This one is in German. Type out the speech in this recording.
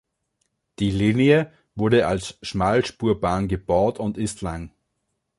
Die Linie wurde als Schmalspurbahn gebaut und ist lang.